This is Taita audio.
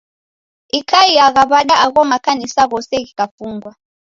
Ikaiagha w'ada agho makanisa ghose ghikafungwa?